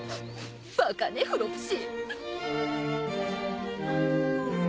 バカねフロプシー。